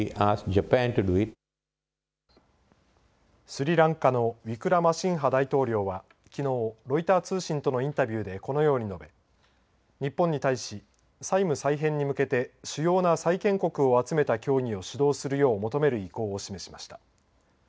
スリランカのウィクラマシンハ大統領はきのうロイター通信とのインタビューでこのように述べ日本に対し、債務再編に向けて主要な債権国を集めた協議を指導するよう求める意向を示しました。